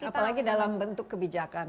apalagi dalam bentuk kebijakan